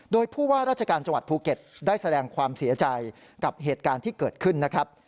โดยผู้ว่าราชการจังหวัดภูเก็ตได้แสดงความเสียใจกับเหตุการณ์ที่เกิดขึ้นนะครับ